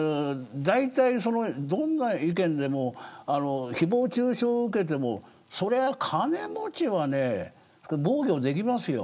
どんな意見でも誹謗中傷を受けてもそれは、金持ちは防御できますよ。